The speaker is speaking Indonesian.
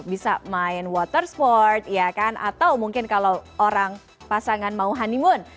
bisa main water sport ya kan atau mungkin kalau orang pasangan mau honeymoon